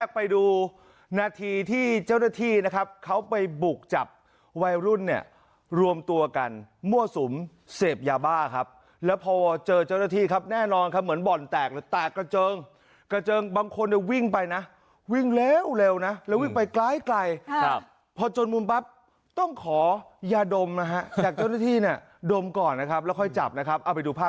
ไปดูนาทีที่เจ้าหน้าที่นะครับเขาไปบุกจับวัยรุ่นเนี่ยรวมตัวกันมั่วสุมเสพยาบ้าครับแล้วพอเจอเจ้าหน้าที่ครับแน่นอนครับเหมือนบ่อนแตกเลยแตกกระเจิงกระเจิงบางคนเนี่ยวิ่งไปนะวิ่งเร็วนะแล้ววิ่งไปไกลพอจนมุมปั๊บต้องขอยาดมนะฮะจากเจ้าหน้าที่เนี่ยดมก่อนนะครับแล้วค่อยจับนะครับเอาไปดูภาพ